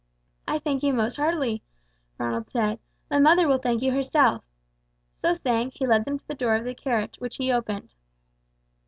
"I thank you most heartily," Ronald said. "My mother will thank you herself." So saying, he led them to the door of the carriage, which he opened.